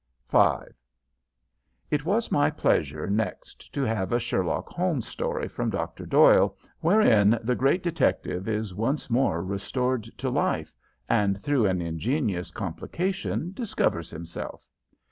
'" V It was my pleasure next to have a Sherlock Holmes story from Dr. Doyle, wherein the great detective is once more restored to life, and through an ingenious complication discovers himself.